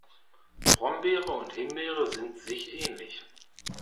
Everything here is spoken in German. Brombeere und Himbeere sind sich ähnlich.